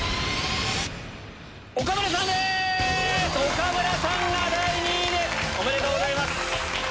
岡村さんが第２位ですおめでとうございます！